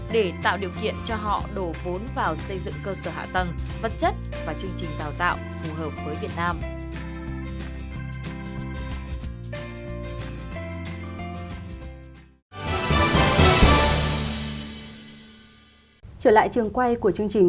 để tạo điều kiện cho họ đổi quyền